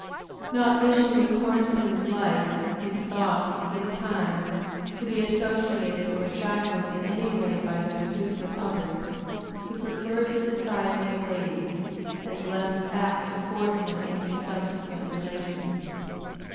Not wishing the course of his life, his thoughts, his time, to be associated or shackled in any way by the pursuits of others, he preferred the society of ladies, as less apt to force him into subsequent relations.